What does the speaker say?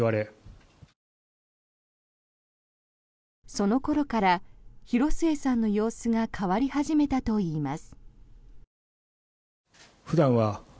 その頃から広末さんの様子が変わり始めたといいます。